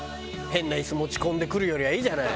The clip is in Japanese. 変なイス持ち込んでくるよりはいいじゃない。